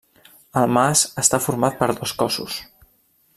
El mas està format per dos cossos.